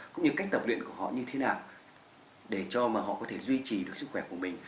cũng như cách tập luyện của họ như thế nào để cho mà họ có thể duy trì được sức khỏe của mình